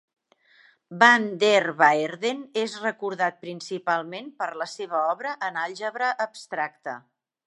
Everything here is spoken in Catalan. Van der Waerden és recordat principalment per la seva obra en àlgebra abstracta.